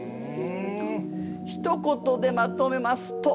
ひと言でまとめますと。